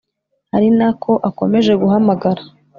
ari nako akomeje guhamagara